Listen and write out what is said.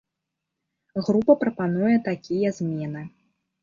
Група прапануе такія змены.